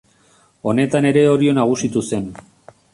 Honetan ere Orio nagusitu zen.